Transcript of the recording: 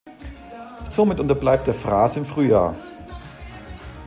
Somit unterbleibt der Fraß im Frühjahr.